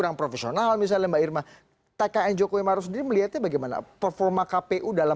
orang profesional misalnya mbak irma tkn jokowi maru sendiri melihatnya bagaimana performa kpu dalam